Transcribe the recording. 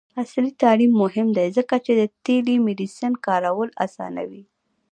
عصري تعلیم مهم دی ځکه چې د ټیلی میډیسین کارول اسانوي.